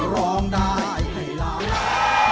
ร้องได้ให้ล้าน